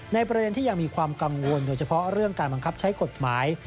ประเด็นที่ยังมีความกังวลโดยเฉพาะเรื่องการบังคับใช้กฎหมาย